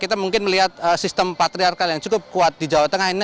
kita mungkin melihat sistem patriarkal yang cukup kuat di jawa tengah ini